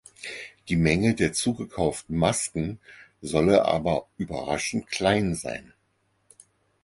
Die Menge der zugekauften Masken solle aber „überraschend klein“ sein.